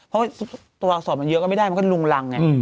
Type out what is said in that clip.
เพราะว่าตัวอักษรมันเยอะก็ไม่ได้มันก็ลุงรังไง